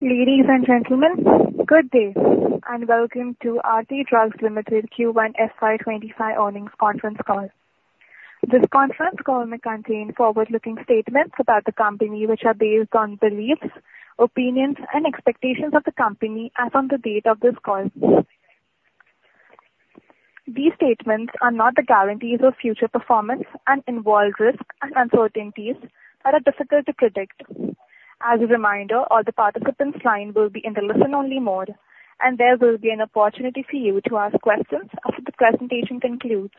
Ladies and gentlemen, good day, and welcome to Aarti Drugs Limited Q1 FY25 earnings conference call. This conference call may contain forward-looking statements about the company, which are based on beliefs, opinions, and expectations of the company as on the date of this call. These statements are not the guarantees of future performance and involve risks and uncertainties that are difficult to predict. As a reminder, all the participants line will be in the listen-only mode, and there will be an opportunity for you to ask questions after the presentation concludes.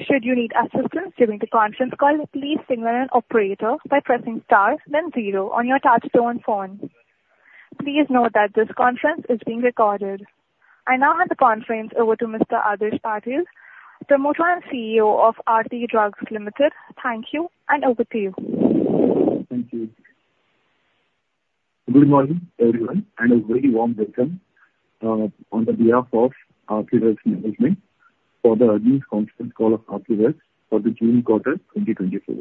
Should you need assistance during the conference call, please signal an operator by pressing star, then zero on your touchtone phone. Please note that this conference is being recorded. I now hand the conference over to Mr. Adhish Patil, the Promoter and CEO of Aarti Drugs Limited. Thank you, and over to you. Thank you. Good morning, everyone, and a very warm welcome on behalf of Aarti Drugs management for the earnings conference call of Aarti Drugs for the June quarter, 2024.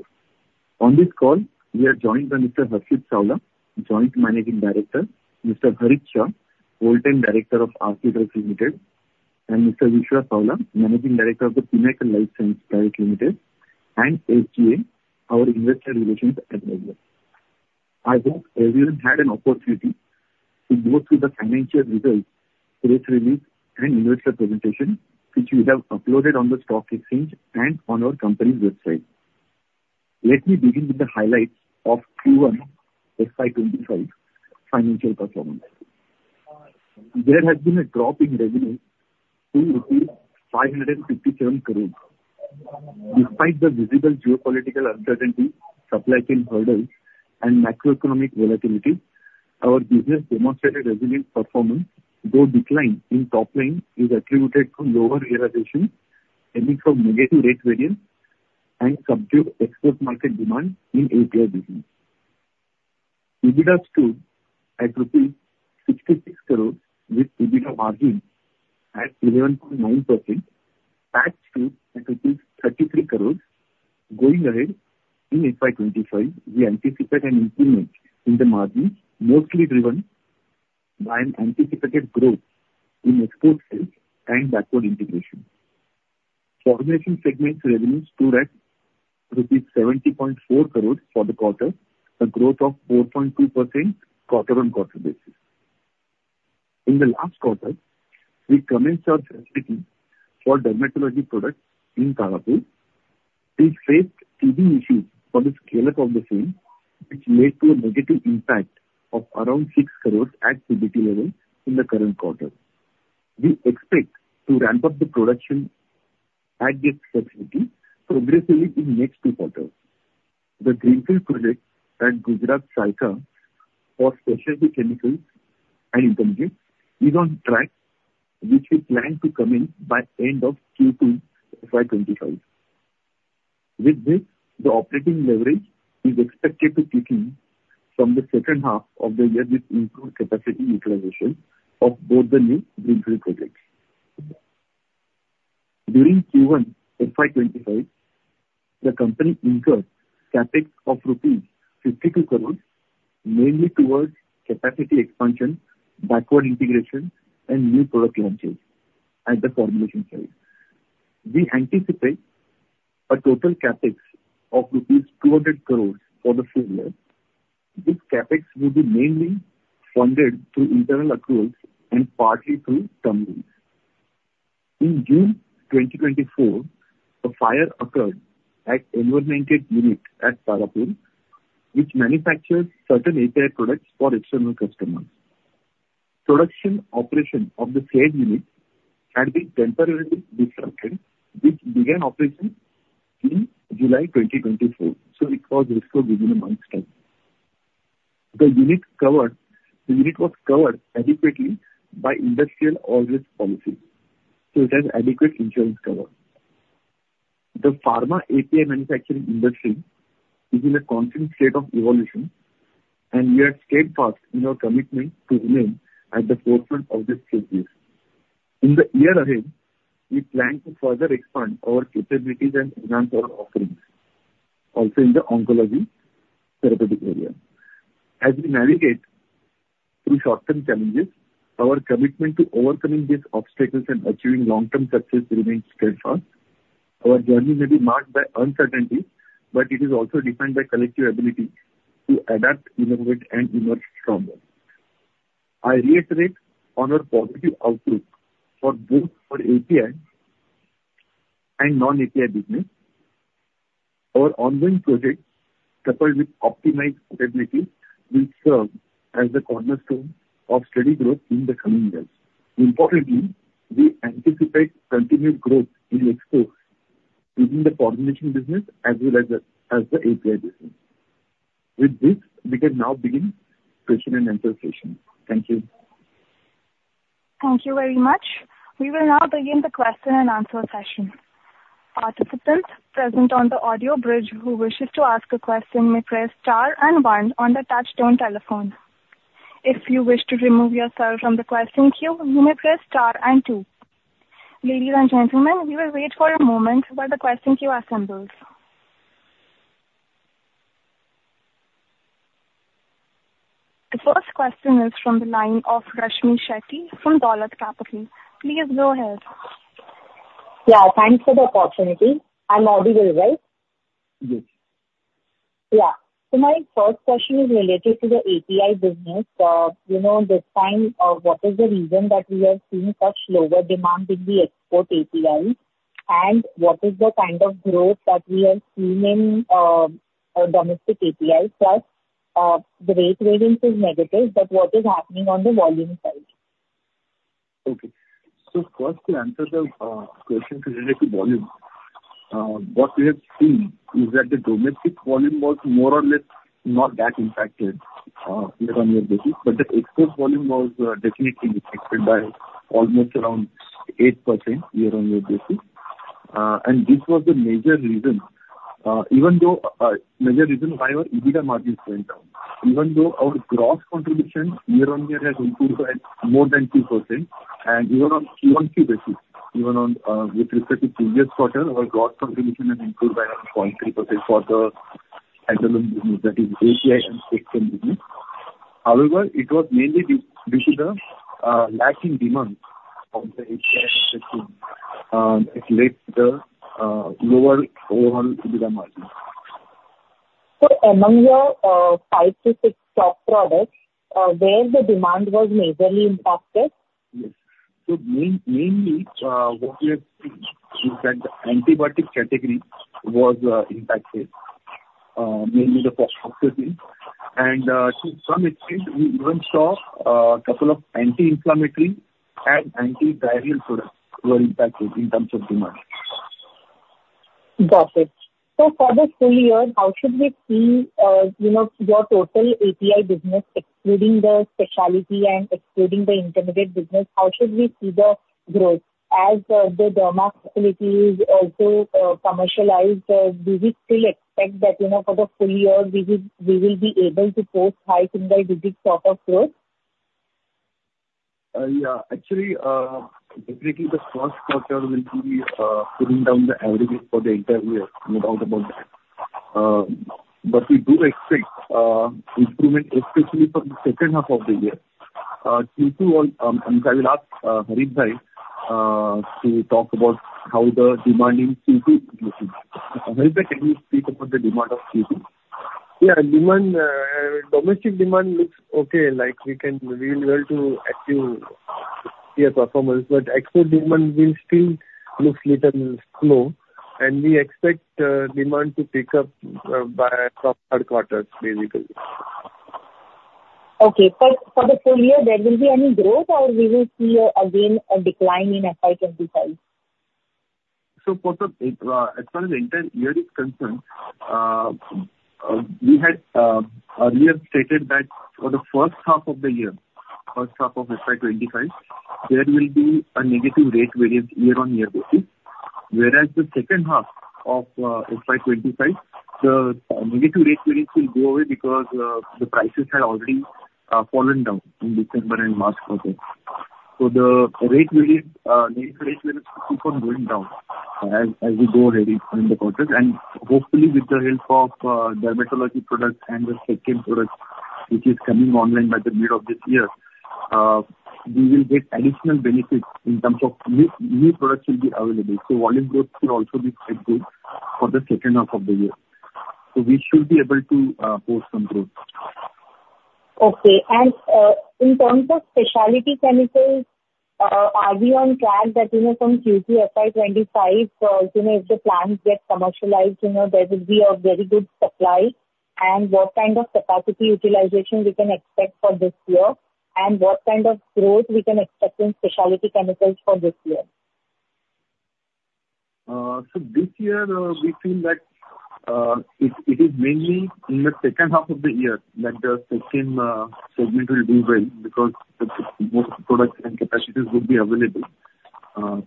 On this call, we are joined by Mr. Harshith Savla, Joint Managing Director, Mr. Harit Shah, Whole Time Director of Aarti Drugs Limited, and Mr. Vishwa Savla, Managing Director of the Pinnacle Life Science Private Limited, and SGA, our Investor Relations Advisor. I hope everyone had an opportunity to go through the financial results, press release, and investor presentation, which we have uploaded on the stock exchange and on our company's website. Let me begin with the highlights of Q1 FY 25 financial performance. There has been a drop in revenue to rupees 557 crore. Despite the visible geopolitical uncertainty, supply chain hurdles, and macroeconomic volatility, our business demonstrated resilient performance, though decline in top line is attributed to lower realization and some negative rate variance and subdued export market demand in API business. EBITDA stood at rupees 66 crores, with EBITDA margin at 11.9%, PAT at rupees 33 crores. Going ahead in FY 2025, we anticipate an improvement in the margins, mostly driven by an anticipated growth in export sales and backward integration. Formulation segment revenues stood at rupees 70.4 crores for the quarter, a growth of 4.2% quarter-on-quarter basis. In the last quarter, we commenced our operations for dermatology products in Tarapur. We faced key issues for the scale-up of the same, which led to a negative impact of around 6 crores at PBT level in the current quarter. We expect to ramp up the production at this facility progressively in next two quarters. The Greenfield project at Gujarat, Saykha for specialty chemicals is on track, which we plan to come in by end of Q2 FY25. With this, the operating leverage is expected to kick in from the second half of the year with improved capacity utilization of both the new Greenfield projects. During Q1 FY25, the company incurred CapEx of rupees 52 crores, mainly towards capacity expansion, backward integration, and new product launches at the formulation side. We anticipate a total CapEx of rupees 200 crores for the full year. This CapEx will be mainly funded through internal accruals and partly through term loans. In June 2024, a fire occurred at intermediate unit at Tarapur, which manufactures certain API products for external customers. Production operation of the said unit had been temporarily disrupted, which began operations in July 2024, so it was restored within a month's time. The unit was covered adequately by industrial all-risk policy, so it has adequate insurance cover. The pharma API manufacturing industry is in a constant state of evolution, and we are steadfast in our commitment to remain at the forefront of this space. In the year ahead, we plan to further expand our capabilities and enhance our offerings also in the oncology therapeutic area. As we navigate through short-term challenges, our commitment to overcoming these obstacles and achieving long-term success remains steadfast. Our journey may be marked by uncertainty, but it is also defined by collective ability to adapt, innovate, and emerge stronger. I reiterate on our positive outlook for both for API and non-API business. Our ongoing projects, coupled with optimized profitability, will serve as the cornerstone of steady growth in the coming years. Importantly, we anticipate continued growth in exports within the formulation business as well as the API business. With this, we can now begin question and answer session. Thank you. Thank you very much. We will now begin the question and answer session. Participants present on the audio bridge who wishes to ask a question may press star and one on the touchtone telephone. If you wish to remove yourself from the question queue, you may press star and two. Ladies and gentlemen, we will wait for a moment while the question queue assembles.... The first question is from the line of Rashmi Shetty from Dolat Capital. Please go ahead. Yeah, thanks for the opportunity. I'm audible, right? Yes. Yeah. So my first question is related to the API business. You know, this time, what is the reason that we are seeing such slower demand in the export API? And what is the kind of growth that we are seeing in our domestic API? Plus, the rate variance is negative, but what is happening on the volume side? Okay. So first, to answer the question related to volume, what we have seen is that the domestic volume was more or less not that impacted year-over-year basis, but the export volume was definitely impacted by almost around 8% year-over-year basis. And this was the major reason, even though major reason why our EBITDA margins went down. Even though our gross contribution year-over-year has improved by more than 2%, and even on Q1Q basis, even on with respect to previous quarter, our gross contribution has improved by 0.3% for the standalone business, that is, API and business. However, it was mainly due to the lack in demand from the API, it led to lower overall EBITDA margin. Among your 5-6 top products, where the demand was majorly impacted? Yes. So mainly, what we have seen is that the antibiotic category was impacted, mainly the first quarter, and, to some extent, we even saw a couple of anti-inflammatory and antiviral products were impacted in terms of demand. Got it. So for the full year, how should we see, you know, your total API business, excluding the specialty and excluding the intermediate business, how should we see the growth? As, the derma facility is also, commercialized, do we still expect that, you know, for the full year, we will, we will be able to post high single-digit top of growth? Yeah. Actually, basically, the first quarter will be pulling down the aggregate for the entire year, no doubt about that. But we do expect improvement, especially for the second half of the year. Q2, and I will ask Harit to talk about how the demand in Q2 is looking. Harit, can you speak about the demand of Q2? Yeah, demand, domestic demand looks okay, like we can be well to achieve year performance, but export demand will still looks little slow, and we expect demand to pick up by third quarter, basically. Okay. But for the full year, there will be any growth, or we will see, again, a decline in FY 25? So for the, as far as the entire year is concerned, we had earlier stated that for the first half of the year, first half of FY 25, there will be a negative rate variance year-on-year basis. Whereas the second half of FY 25, the negative rate variance will go away because the prices had already fallen down in December and March quarter. So the rate variance, negative rate variance will keep on going down as we go ahead in the quarters. And hopefully, with the help of dermatology products and the second product, which is coming online by the mid of this year, we will get additional benefits in terms of new products will be available. So volume growth will also be quite good for the second half of the year. We should be able to post some growth. Okay. And, in terms of specialty chemicals, are we on track that, you know, from Q2 FY 2025, you know, if the plants get commercialized, you know, there will be a very good supply, and what kind of capacity utilization we can expect for this year, and what kind of growth we can expect in specialty chemicals for this year? So this year, we feel that it is mainly in the second half of the year that the second segment will do well because the most products and capacities will be available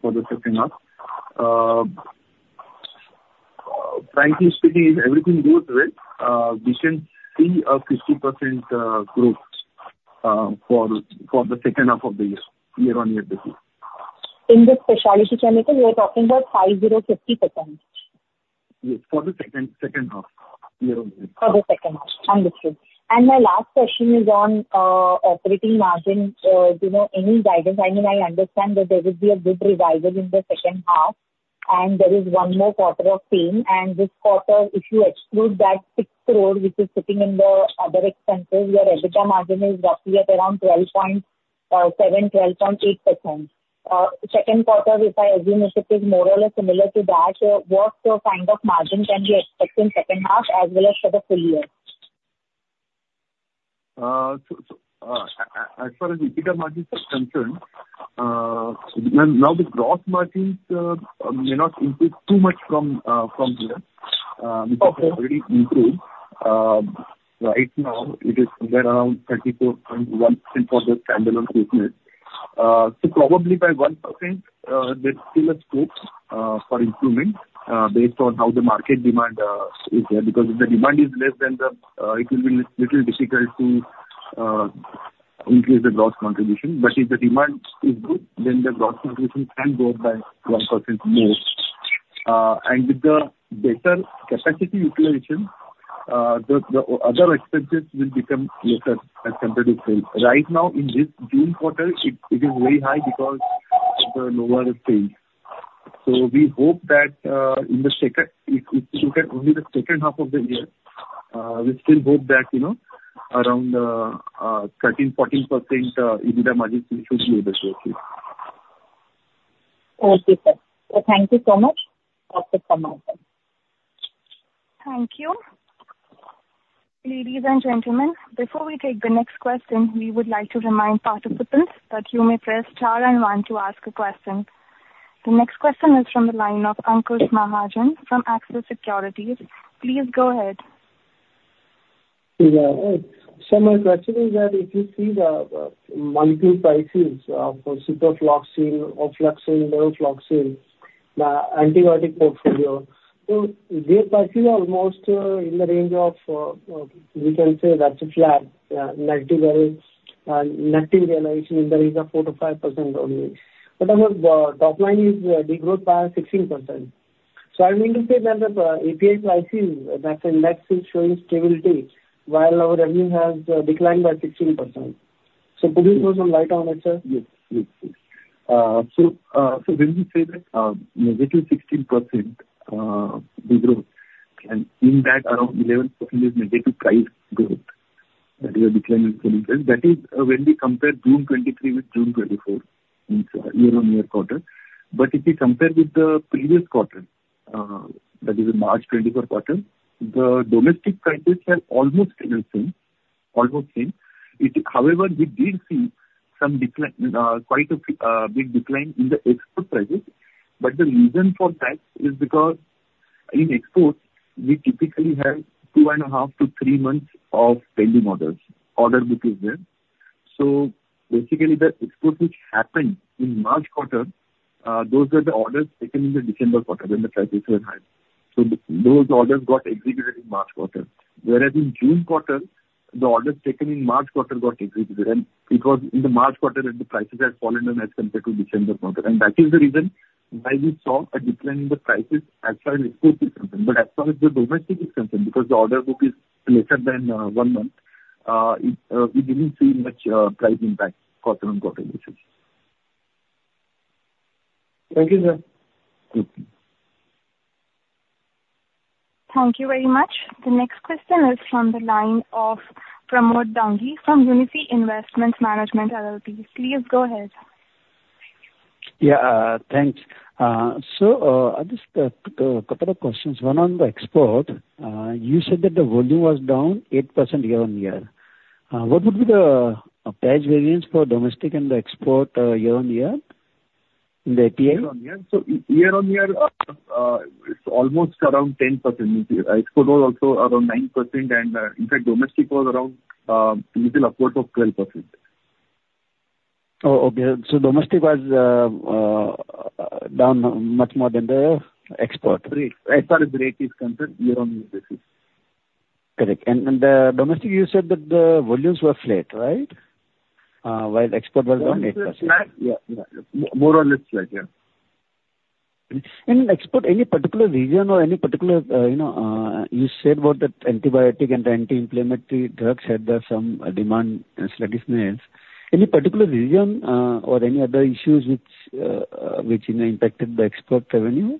for the second half. Frankly speaking, if everything goes well, we should see a 50% growth for the second half of the year, year-on-year basis. In the specialty chemical, we are talking about 50-50%? Yes, for the second half, year-on-year. For the second half. Understood. And my last question is on operating margin. You know, any guidance? I mean, I understand that there will be a good revival in the second half, and there is one more quarter of pain, and this quarter, if you exclude that sixth quarter, which is sitting in the other expenses, your EBITDA margin is roughly at around 12.7-12.8%. Second quarter, if I assume it is more or less similar to that, what kind of margin can we expect in second half as well as for the full year? So, as far as EBITDA margins are concerned, then now the gross margins may not increase too much from, from here. Okay. Because they've already improved. Right now, it is somewhere around 34.1% for the standalone business. So probably by 1%, there's still a scope for improvement, based on how the market demand is there. Because if the demand is less than the, it will be little difficult to increase the gross contribution. But if the demand is good, then the gross contribution can go up by 1% more. And with the better capacity utilization, the other expenses will become lesser as compared to sales. Right now, in this June quarter, it is very high because the Nova is changed. So we hope that in the second half of the year, if you look at only the second half, we still hope that, you know, around 13%-14% EBITDA margin should be able to achieve. Okay, sir. Thank you so much. Dr. Adhish sir. Thank you. Ladies and gentlemen, before we take the next question, we would like to remind participants that you may press star and one to ask a question. The next question is from the line of Ankur Mahajan from Axis Securities. Please go ahead. Yeah. So my question is that if you see the monthly prices of Cyprofloxacin, ofloxacin, levofloxacin, the antibiotic portfolio, so their prices are almost in the range of we can say that's flat negative or negative realization in the range of 4%-5% only. But almost top line is degrowth by 16%. So I mean to say that the API prices that's showing stability, while our revenue has declined by 16%. So could you throw some light on it, sir? Yes, please, please. So when we say that negative 16%, degrowth, and in that, around 11% is negative price growth, that is a decline in sales. That is, when we compare June 2023 with June 2024 in year-on-year quarter. But if we compare with the previous quarter, that is the March 2024 quarter, the domestic prices are almost the same. However, we did see some decline, quite a big decline in the export prices. But the reason for that is because in exports, we typically have 2.5-3 months of pending orders. Order book is there. So basically, the exports which happened in March quarter, those were the orders taken in the December quarter when the prices were high. So those orders got executed in March quarter. Whereas in June quarter, the orders taken in March quarter got executed. And because in the March quarter, the prices had fallen down as compared to December quarter, and that is the reason why we saw a decline in the prices as far as exports is concerned. But as far as the domestic is concerned, because the order book is lesser than one month, we didn't see much price impact quarter on quarter basis. Thank you, sir. Thank you. Thank you very much. The next question is from the line of Pramod Dangi from Unifi Investment Management LLP. Please go ahead. Yeah, thanks. So, I just couple of questions. One on the export, you said that the volume was down 8% year-on-year. What would be the price variance for domestic and the export year-on-year in the API? Year on year, so year on year, it's almost around 10%. Export was also around 9%, and, in fact, domestic was around, little upward of 12%. Oh, okay. So domestic was down much more than the export. As far as the API is concerned, year-on-year, that is. Correct. And domestic, you said that the volumes were flat, right? While export was down 8%. Yeah. Yeah. More or less flat, yeah. Export, any particular region or any particular, you know, you said about the antibiotic and the anti-inflammatory drugs had some demand slacking sales. Any particular region, or any other issues which, you know, impacted the export revenue?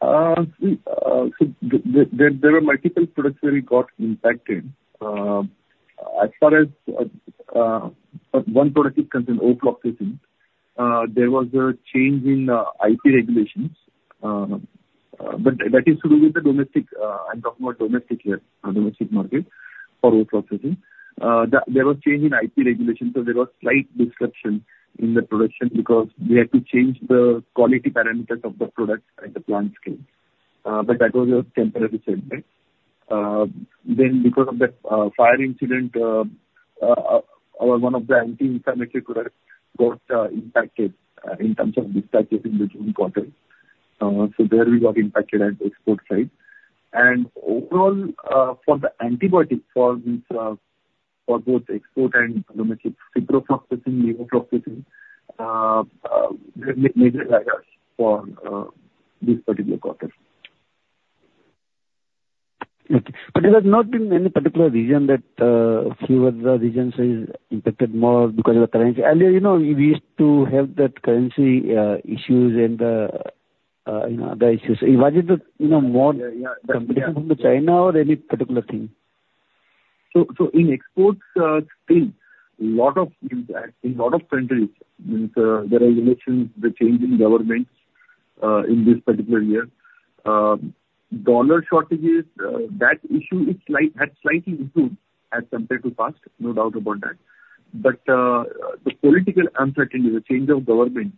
So there are multiple products where we got impacted. As far as one product is concerned, ofloxacin. There was a change in HP regulations. But that is to do with the domestic. I'm talking about domestic here, domestic market for ofloxacin. There was change in HP regulations, so there was slight disruption in the production because we had to change the quality parameters of the product and the plant scale. But that was a temporary setback. Then because of the fire incident, one of the anti-inflammatory products got impacted in terms of dispatching the June quarter. So there we got impacted at export side. And overall, for the antibiotics for which, for both export and domestic, ciprofloxacin, levofloxacin, they made a lag for this particular quarter. Okay. But it has not been any particular region that, few of the regions is impacted more because of the currency. Earlier, you know, we used to have that currency, issues and, you know, other issues. Was it the, you know, more- Yeah, yeah. Competition from China or any particular thing? So in exports, thing, lot of impact in lot of countries. There's the regulations, the change in governments in this particular year. Dollar shortages, that issue is slight, has slightly improved as compared to past, no doubt about that. But the political uncertainty, the change of government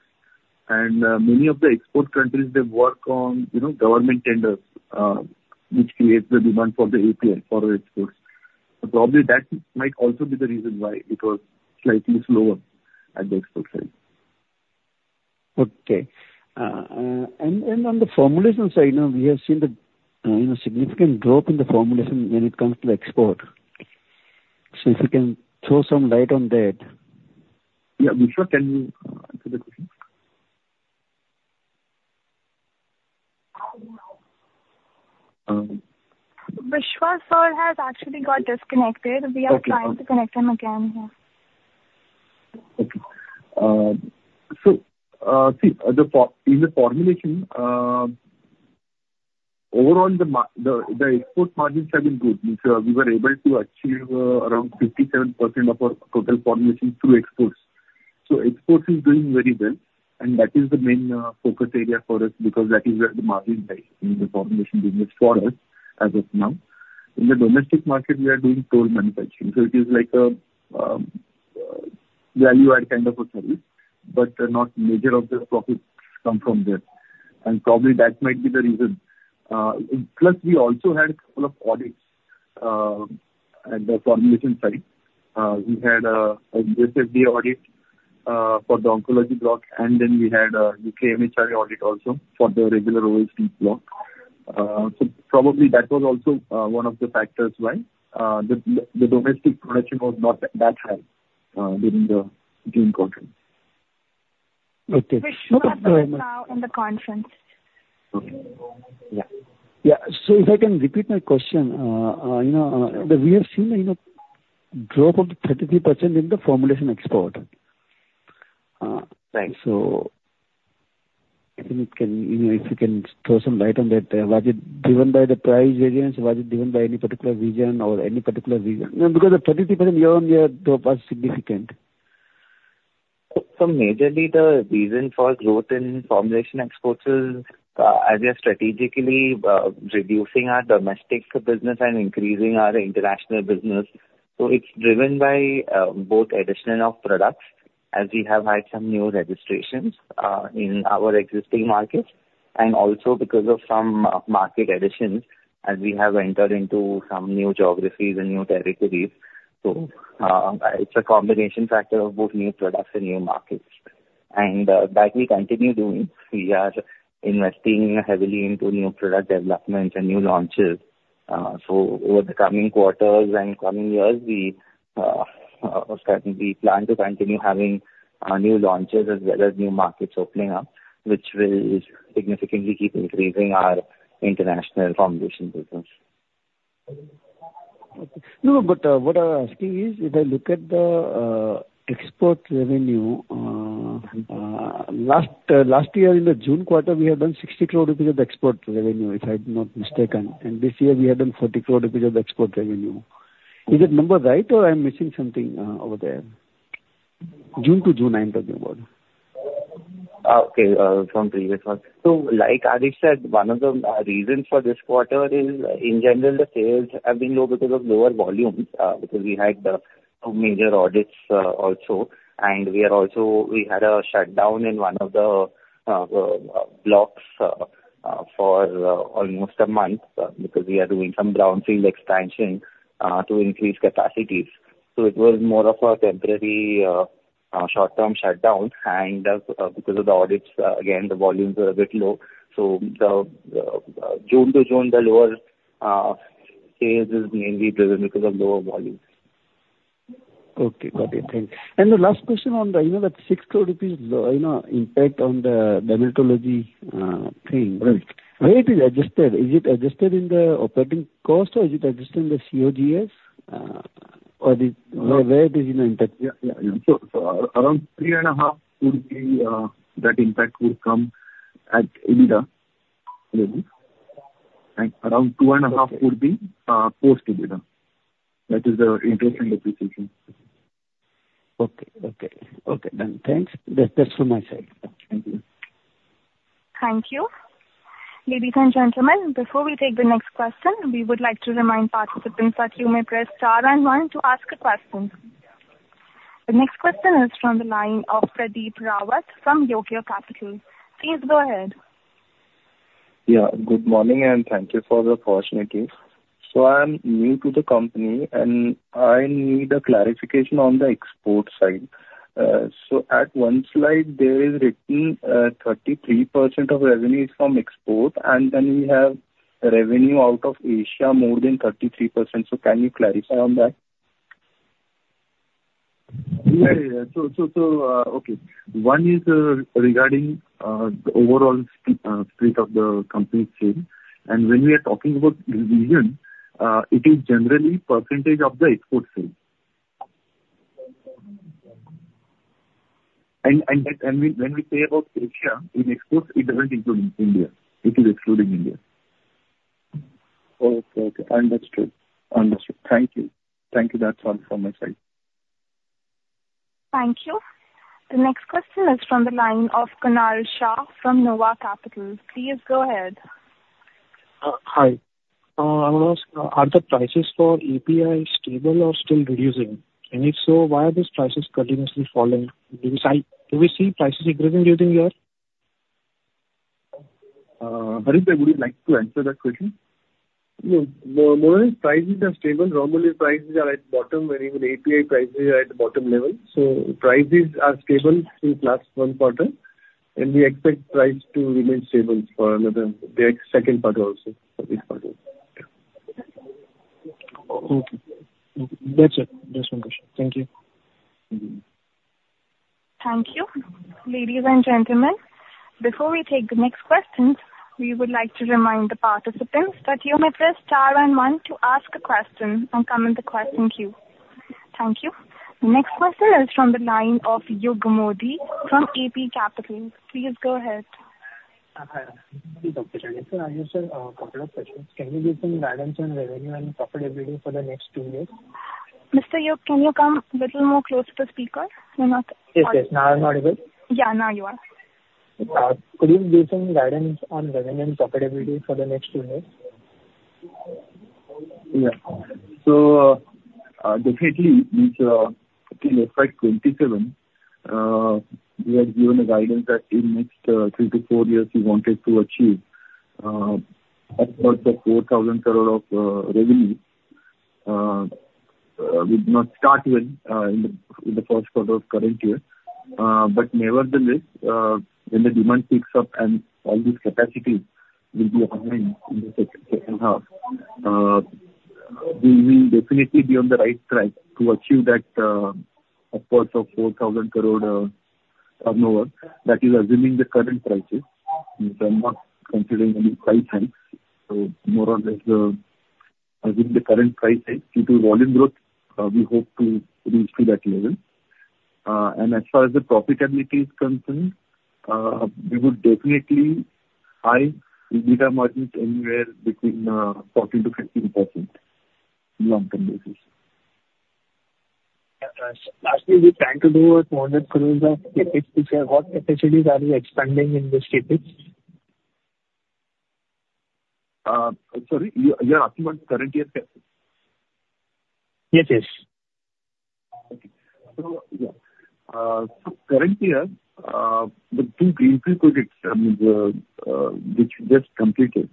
and many of the export countries, they work on, you know, government tenders, which creates the demand for the API for exports. So probably that might also be the reason why it was slightly slower at the export side.... Okay. And on the formulation side, you know, we have seen the, you know, significant drop in the formulation when it comes to the export. So if you can throw some light on that? Yeah, Vishwa, can you answer the question? Vishwa, Sir, has actually got disconnected. Okay. We are trying to connect him again here. Okay. So, in the formulation, overall, the export margins have been good. Means, we were able to achieve around 57% of our total formulation through exports. So export is doing very well, and that is the main focus area for us, because that is where the margin lies in the formulation business for us, as of now. In the domestic market, we are doing toll manufacturing, so it is like a value add kind of a service, but not major of the profits come from there, and probably that might be the reason. And plus, we also had couple of audits at the formulation side. We had a USFDA audit for the oncology block, and then we had a UKMHRA audit also for the regular OST block. So probably that was also one of the factors why the domestic production was not that high during the June quarter. Okay. Vishwa is now in the conference. Okay. Yeah. Yeah. So if I can repeat my question, you know, that we have seen a, you know, drop of 33% in the formulation export. Uh, right. So I think it can, you know, if you can throw some light on that, was it driven by the price variance? Was it driven by any particular region or any particular reason? Because the 33% year-on-year drop was significant. So majorly, the reason for growth in formulation exports is, as we are strategically, reducing our domestic business and increasing our international business. So it's driven by, both addition of products, as we have had some new registrations, in our existing markets, and also because of some market additions, as we have entered into some new geographies and new territories. So, it's a combination factor of both new products and new markets. And, that we continue doing. We are investing heavily into new product development and new launches. So over the coming quarters and coming years, we, we plan to continue having, new launches as well as new markets opening up, which will significantly keep increasing our international formulation business. Okay. No, but, what I'm asking is, if I look at the, export revenue, last year in the June quarter, we had done 60 crore rupees of the export revenue, if I'm not mistaken, and this year we have done 40 crore rupees of export revenue. Is that number right, or I'm missing something, over there? June to June, I'm talking about. Okay, from previous one. So like Adhish said, one of the reasons for this quarter is, in general, the sales have been low because of lower volumes, because we had the two major audits, also, and we also had a shutdown in one of the blocks, for almost a month, because we are doing some brownfield expansion to increase capacities. So it was more of a temporary short-term shutdown. And, because of the audits, again, the volumes were a bit low. So the June to June, the lower sales is mainly driven because of lower volumes. Okay. Got it. Thank you. And the last question on the, you know, that 6 crore rupees impact on the dermatology thing. Right. Where it is adjusted? Is it adjusted in the operating cost, or is it adjusted in the COGS? Or is, where it is in the impact? Yeah, yeah. So, around 3.5 would be that impact will come at EBITDA level, and around 2.5 would be post EBITDA. That is the interest and depreciation. Okay. Okay. Okay, then. Thanks. That's from my side. Thank you. Thank you. Ladies and gentlemen, before we take the next question, we would like to remind participants that you may press star and one to ask a question. The next question is from the line of Pradeep Rawat from Yogya Capital. Please go ahead. Yeah. Good morning, and thank you for the opportunity. So I'm new to the company, and I need a clarification on the export side. So at one slide, there is written, 33% of revenue is from export, and then we have revenue out of Asia more than 33%. So can you clarify on that? Yeah, yeah, yeah. So, okay. One is regarding the overall split of the company sale. And when we are talking about region, it is generally percentage of the export sale. And we, when we say about Asia, in exports, it doesn't include India. It is excluding India. Okay, okay. Understood. Understood. Thank you. Thank you. That's all from my side. Thank you. The next question is from the line of Kunal Shah from Nova Capital. Please go ahead. Hi. I want to ask, are the prices for API stable or still reducing? And if so, why are these prices continuously falling? Do we see prices increasing during the year?... Harit, would you like to answer that question? No, more or less, prices are stable. Normally, prices are at bottom and even API prices are at the bottom level. So prices are stable since last one quarter, and we expect price to remain stable for another, the second quarter also, for this quarter. Yeah. Okay. Okay, that's it. Just one question. Thank you. Thank you. Ladies and gentlemen, before we take the next questions, we would like to remind the participants that you may press star and one to ask a question or come in the question queue. Thank you. Next question is from the line of Yug Modi from AP Capital. Please go ahead. Hi. Thank you, operator. Sir, I just have a couple of questions. Can you give some guidance on revenue and profitability for the next two years? Mr. Yug, can you come a little more close to the speaker? We're not- Yes, yes. Now I'm audible? Yeah, now you are. Could you give some guidance on revenue and profitability for the next two years? Yeah. So, definitely with FY 2027, we had given a guidance that in next 3-4 years we wanted to achieve upwards of 4,000 crore of revenue. We've not start yet in the first quarter of current year. But nevertheless, when the demand picks up and all these capacities will be online in the second half, we will definitely be on the right track to achieve that upwards of 4,000 crore turnover. That is assuming the current prices, which I'm not considering any price hike. So more or less, assuming the current price hike, due to volume growth, we hope to reach to that level. As far as the profitability is concerned, we would definitely high EBITDA margins anywhere between 14%-15% long-term basis. Lastly, we plan to do around 100 crore of CapEx. What facilities are we expanding in this CapEx? Sorry, you are asking about current year CapEx? Yes, yes. Okay. So, yeah, so current year, the two greenfield projects, which we just completed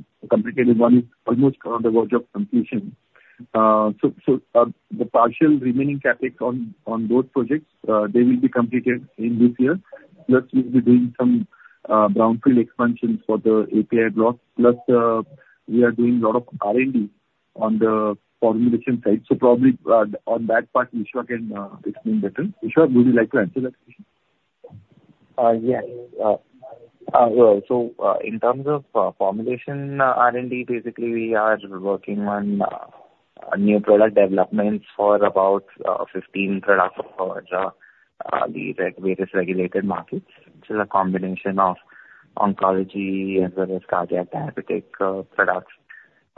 and one is almost on the verge of completion. So, the partial remaining CapEx on both projects, they will be completed in this year. Plus, we'll be doing some brownfield expansions for the API block. Plus, we are doing a lot of R&D on the formulation side. So probably, on that part, Vishwa can explain better. Vishwa, would you like to answer that question? in terms of formulation R&D, basically, we are working on new product developments for about 15 products across the various regulated markets. So the combination of oncology as well as cardiac diabetic products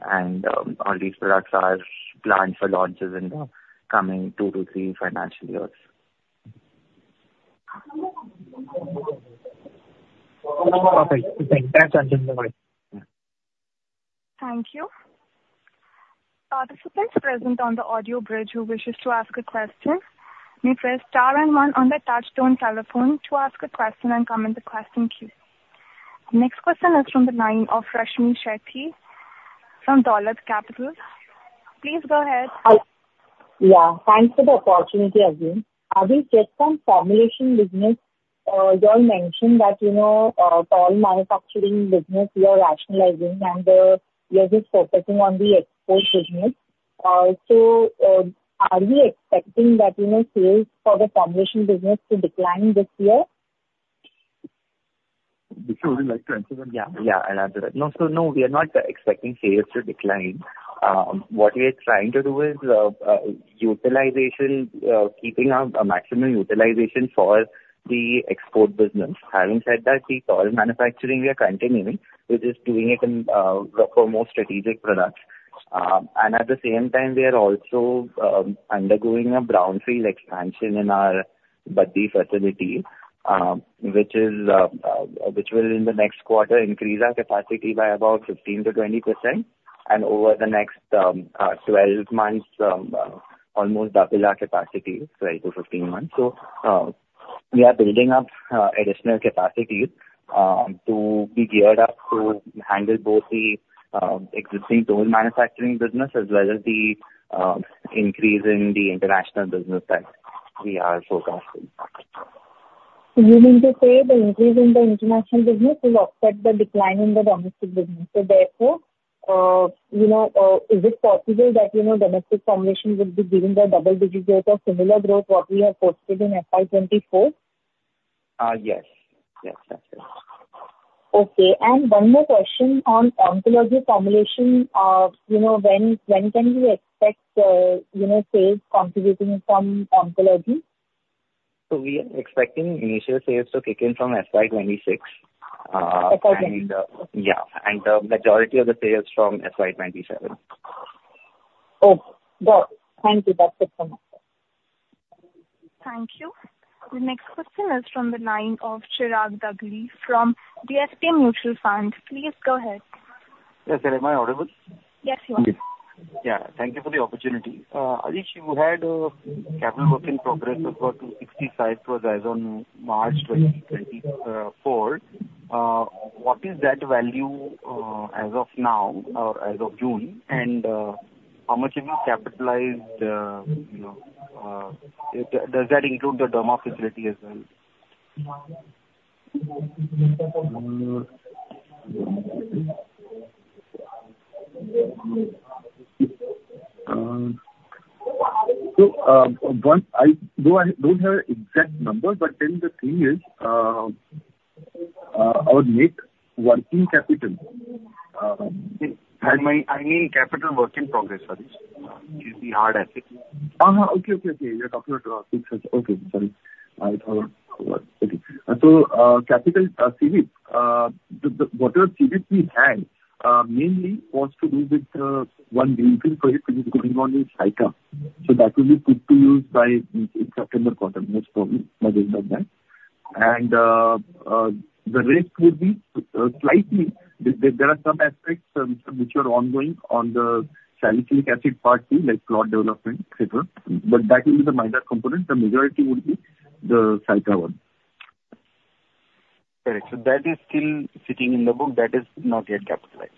and all these products are planned for launches in the coming 2-3 financial years. Perfect. Thanks, I understand. Thank you. Participants present on the audio bridge who wishes to ask a question, may press star and one on their touchtone telephone to ask a question and come in the question queue. Next question is from the line of Rashmi Shetty from Dolat Capital. Please go ahead. Yeah, thanks for the opportunity again. I will get some formulation business. You all mentioned that, you know, toll manufacturing business you are rationalizing and you are just focusing on the export business. So, are we expecting that, you know, sales for the formulation business to decline this year? Vishwa, would you like to answer that? Yeah. Yeah, I'll answer that. No, so no, we are not expecting sales to decline. What we are trying to do is utilization, keeping a maximum utilization for the export business. Having said that, the toll manufacturing we are continuing, we're just doing it in for more strategic products. And at the same time, we are also undergoing a brownfield expansion in our Baddi facility, which will in the next quarter increase our capacity by about 15%-20%. And over the next 12 months, almost double our capacity, 12-15 months. So, we are building up additional capacities to be geared up to handle both the existing toll manufacturing business, as well as the increase in the international business that we are focusing. You mean to say the increase in the international business will offset the decline in the domestic business? So therefore, you know, is it possible that, you know, domestic formulation will be giving a double-digit growth or similar growth what we have posted in FY 2024? Yes. Yes, that's it. Okay. One more question on oncology formulation. You know, when, when can we expect, you know, sales contributing from oncology? We are expecting initial sales to kick in from FY 2026. Okay. And the majority of the sales from FY 2027. Okay. Got it. Thank you. That's it from my side. Thank you. The next question is from the line of Chirag Dagli from DSP Mutual Fund. Please go ahead.... Yes, sir. Am I audible? Yes, you are. Yeah, thank you for the opportunity. I think you had capital work in progress of about 265 as on March 20, 2024. What is that value as of now or as of June? And how much have you capitalized, you know, does that include the derma facility as well? Though I don't have an exact number, but then the thing is, our net working capital, it- I mean, Capital Work in Progress, sorry, is the hard asset. Okay. Okay, okay. So, capital CWIP, the whatever CWIP we had mainly was to do with one building project which is going on in Saika. So that will be put to use by the September quarter, most probably, by the end of that. And, the rest will be slightly. There are some aspects which are ongoing on the salicylic acid part too, like plot development et cetera, but that will be the minor component. The majority would be the Saika one. Correct. So that is still sitting in the book, that is not yet capitalized?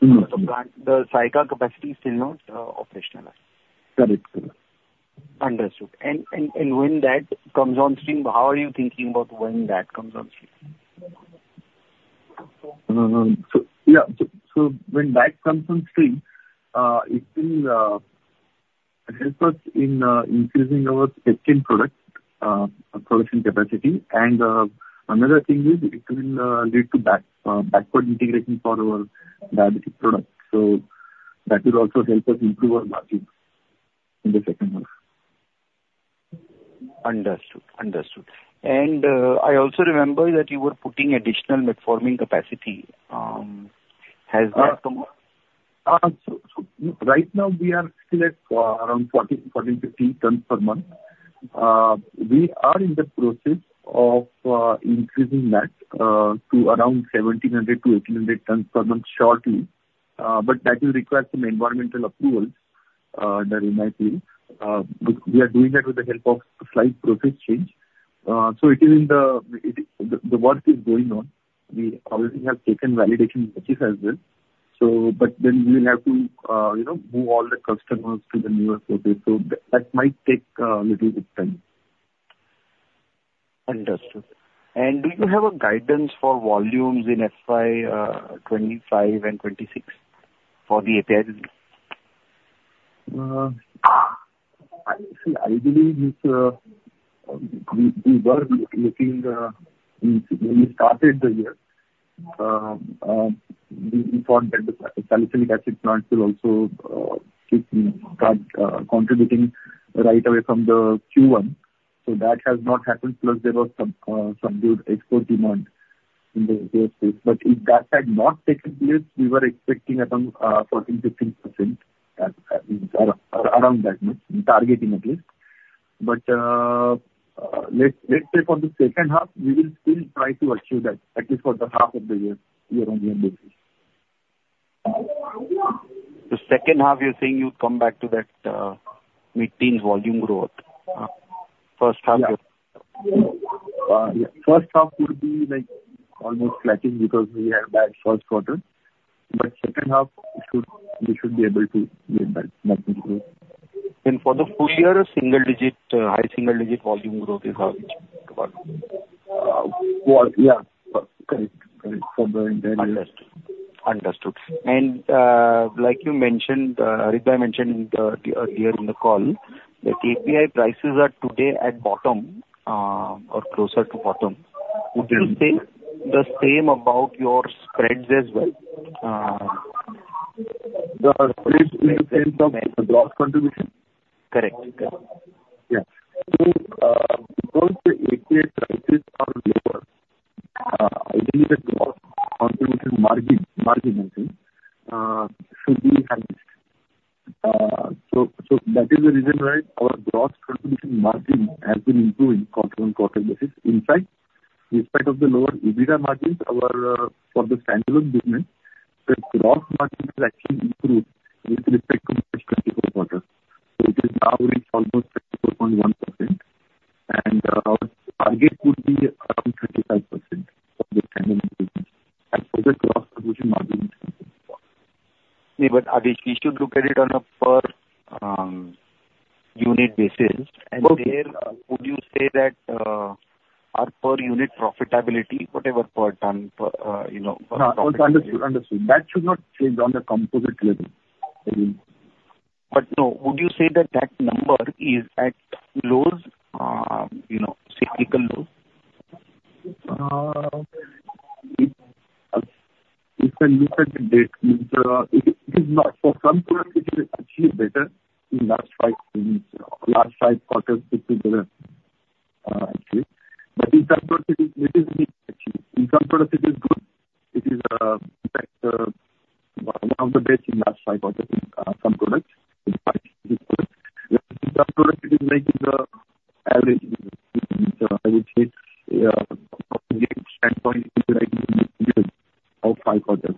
Mm-hmm. The Saika capacity is still not operationalized. Correct, sir. Understood. And when that comes on stream, how are you thinking about when that comes on stream? So yeah. So when that comes on stream, it will help us in increasing our existing product production capacity. And another thing is it will lead to backward integration for our diabetic product. So that will also help us improve our margins in the second half. Understood. Understood. And, I also remember that you were putting additional metformin capacity. Has that come up? So, so right now we are still at around 40-45 tons per month. We are in the process of increasing that to around 1700-1800 tons per month shortly. But that will require some environmental approvals there in IP. But we are doing that with the help of a slight process change. So it is in the, the work is going on. We already have taken validation batches as well, so... But then we will have to, you know, move all the customers to the newer process. So that might take a little bit time. Understood. And do you have a guidance for volumes in FY 25 and 26 for the APIs? I see. I believe it's, we were looking when we started the year, we thought that the salicylic acid plant will also start contributing right away from the Q1. So that has not happened. Plus, there was some subdued export demand in the U.S. space. But if that had not taken place, we were expecting around 14%-15%, around that, targeting at least. But let's say for the second half, we will still try to achieve that, at least for the half of the year, year-on-year basis. The second half, you're saying you'll come back to that, mid-teen volume growth, first half- Yeah. Yeah, first half will be, like, almost flat in because we had a bad first quarter, but second half should, we should be able to get that back into it. For the full year, a single digit, high single digit volume growth is how it work? Well, yeah. Correct. Correct. For the- Understood. Understood. And, like you mentioned, Ritai mentioned, earlier in the call, that API prices are today at bottom, or closer to bottom. Would you say the same about your spreads as well? The spreads in terms of gross contribution? Correct. Yeah. So, because the API prices are lower, I think the gross contribution margin, margin I think, should be highest. So, so that is the reason why our gross contribution margin has been improving quarter-on-quarter basis. In fact, in spite of the lower EBITDA margins, our, for the standalone business, the gross margin has actually improved with respect to the previous quarter. So it is now, it's almost 34.1%, and, our target would be around 35% for this calendar year, as for the gross contribution margin. Yeah, but I think we should look at it on a per unit basis. Okay. Would you say that our per-unit profitability, whatever, per ton per, you know, per- Understood. Understood. That should not change on a composite level. But no, would you say that that number is at lows, you know, cyclical lows? If I look at the data, it is not. For some products, it is actually better in the last five quarters put together, actually. But in some products it is mixed actually. In some products it is good. It is, in fact, one of the best in the last five quarters, some products, but in terms of it is making the average, I would say, standpoint of five quarters,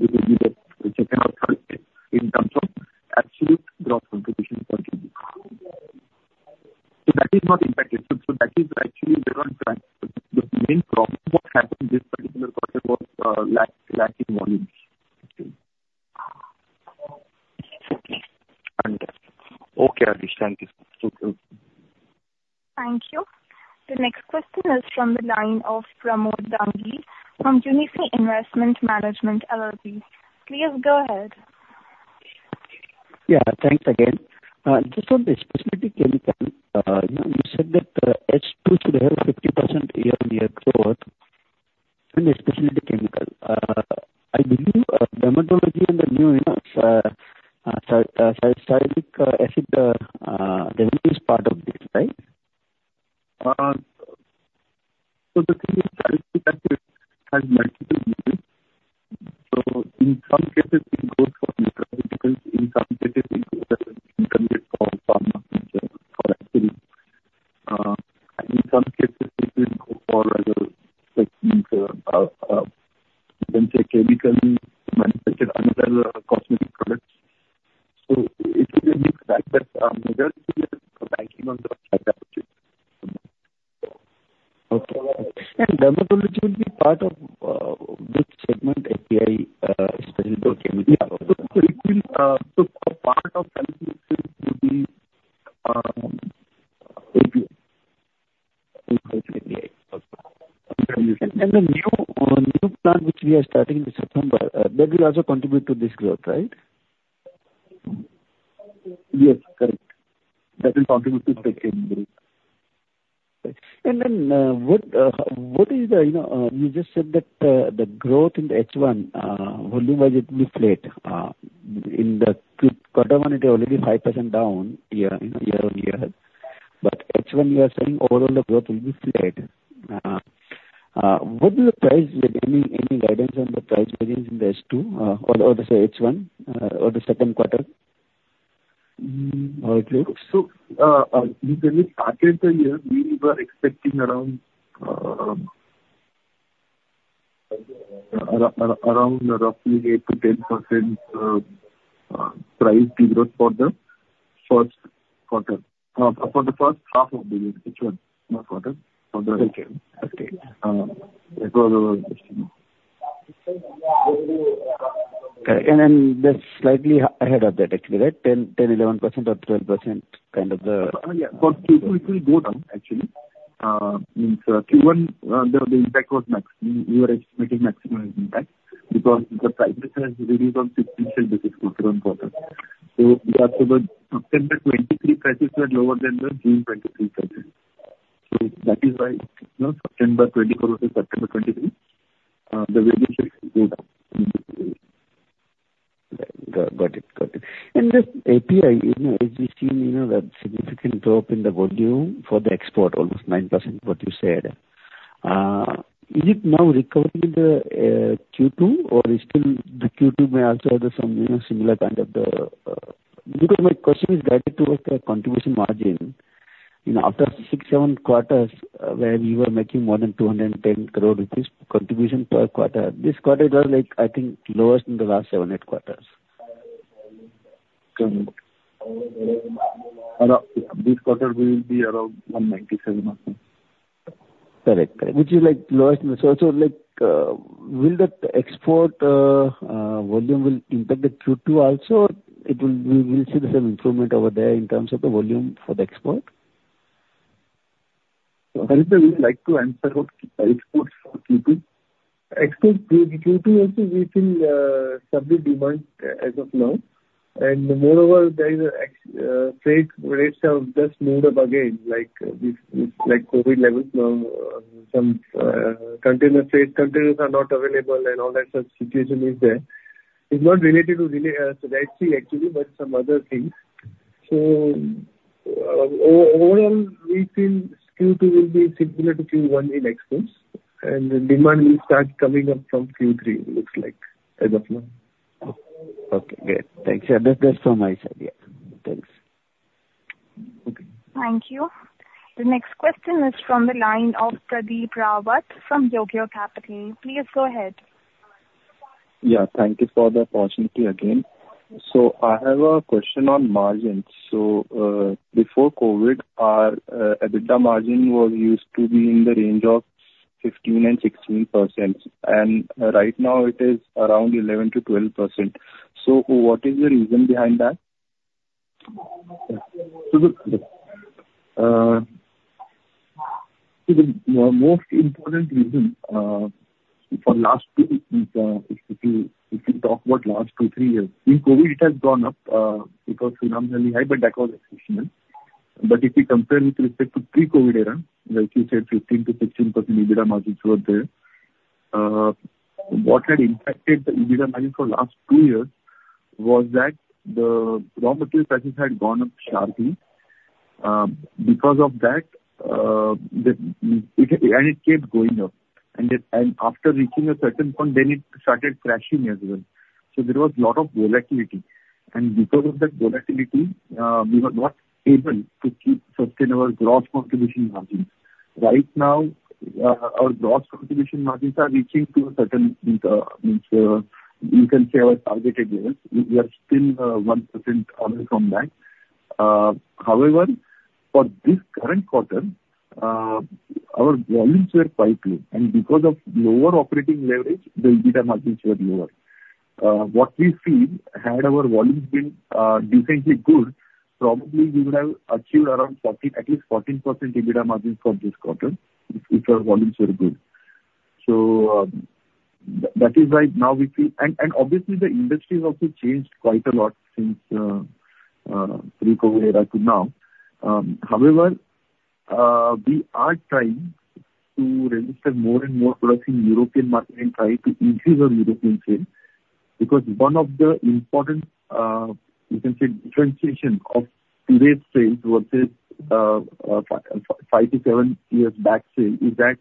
it will be the second or third quarter in terms of absolute growth contribution point. So that is not impacted. So that is actually the main problem. What happened in this particular quarter was lack in volumes. Okay. Understood. Okay, Harsh, thank you. Thank you. The next question is from the line of Pramod Dangi from Unifi Investment Management LLP. Please go ahead. Yeah, thanks again. Just on the specific chemical, you know, you said that H2 should have 50% year-on-year growth in the specialty chemical. I believe dermatology and the new, you know, How it looks. When we started the year, we were expecting around roughly 8%-10% price growth for the first quarter, for the first half of the H1, not quarter. Okay. And then that's slightly ahead of that actually, right? 10, 10, 11% or 12%, kind of the- Yeah, for Q2 it will go down actually. Means Q1, the impact was maximum. We were expecting maximum impact because the prices has reduced on 16% this current quarter. So as about September 2023 prices were lower than the June 2023 prices. So that is why, you know, September 2024 to September 2023, the reduction went up. Got it. Got it. And the API, you know, we've seen, you know, that significant drop in the volume for the export, almost 9%, what you said. Is it now recovering in the Q2, or is still the Q2 may also have some, you know, similar kind of the... Because my question is related to the contribution margin. You know, after six, seven quarters, where we were making more than 210 crore rupees, which is contribution per quarter. This quarter was like, I think, lowest in the last seven, eight quarters. Around this quarter will be around 197, I think. Correct. Correct. Which is like lowest. So, like, will the export volume will impact the Q2 also? It will, we'll see the same improvement over there in terms of the volume for the export. So would you like to answer about exports for Q2? Exports for Q2 also, we feel, subdued demand as of now. And moreover, freight rates have just moved up again, like with COVID levels. Now, some container freight containers are not available, and all that, such a situation is there. It's not related to Red Sea, actually, but some other things. So overall, we feel Q2 will be similar to Q1 in exports, and the demand will start coming up from Q3, looks like, as of now. Okay, great. Thanks. Yeah, that's from my side. Yeah. Thanks. Thank you. The next question is from the line of Pradeep Rawat from Geojit Capital. Please go ahead. Yeah, thank you for the opportunity again. So I have a question on margins. So, before COVID, our EBITDA margin was used to be in the range of 15%-16%, and right now it is around 11%-12%. So what is the reason behind that? So the most important reason for last two is, if you talk about last two, three years, in COVID, it has gone up because phenomenally high, but that was exceptional. But if you compare with respect to pre-COVID era, like you said, 15%-16% EBITDA margins were there. What had impacted the EBITDA margin for last two years was that the raw material prices had gone up sharply. Because of that, and it kept going up, and it... After reaching a certain point, then it started crashing as well. There was a lot of volatility, and because of that volatility, we were not able to keep sustainable gross contribution margins. Right now, our gross contribution margins are reaching to a certain means, you can say our targeted levels. We are still 1% away from that. However, for this current quarter, our volumes were quite low, and because of lower operating leverage, the EBITDA margins were lower. What we feel, had our volumes been decently good, probably we would have achieved around 14, at least 14% EBITDA margins for this quarter, if, if our volumes were good. That, that is why now we feel. And obviously, the industry has also changed quite a lot since pre-COVID era to now. However, we are trying to register more and more products in European market and try to increase our European sales. Because one of the important, you can say, differentiation of today's sales versus, 5-7 years back sale, is that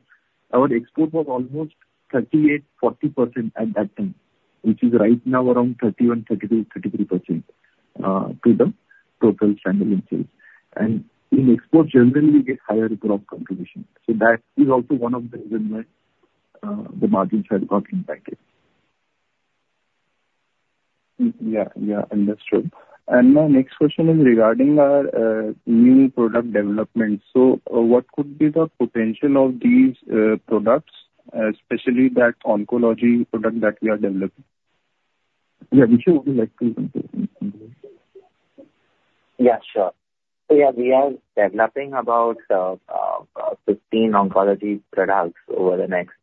our export was almost 38%-40% at that time, which is right now around 31%-33% to the total standalone sales. And in export, generally, we get higher growth contribution. So that is also one of the reasons why the margins have got impacted. Yeah. Yeah, understood. And my next question is regarding our new product development. So what could be the potential of these products, especially that oncology product that we are developing? Yeah, Vishu, would you like to...? Yeah, sure. So yeah, we are developing about 15 oncology products over the next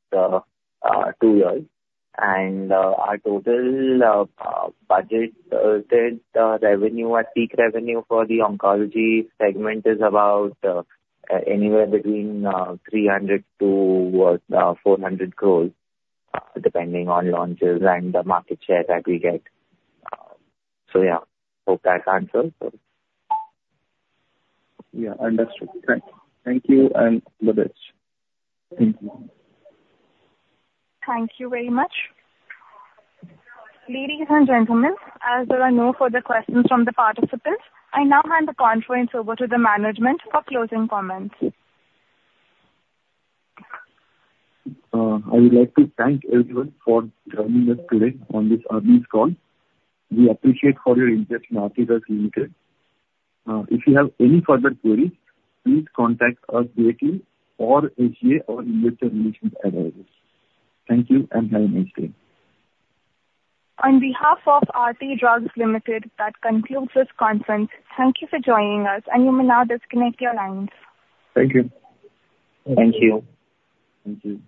two years. And our total budget said revenue at peak revenue for the oncology segment is about anywhere between 300 crores-400 crores, depending on launches and the market share that we get. So yeah, hope that answers it. Yeah, understood. Thank you. Thank you, and good day. Thank you. Thank you very much. Ladies and gentlemen, as there are no further questions from the participants, I now hand the conference over to the management for closing comments. I would like to thank everyone for joining us today on this earnings call. We appreciate for your interest in Aarti Drugs Limited. If you have any further queries, please contact us directly or SGA, our investor relations advisors. Thank you, and have a nice day. On behalf of Aarti Drugs Limited, that concludes this conference. Thank you for joining us, and you may now disconnect your lines. Thank you. Thank you. Thank you.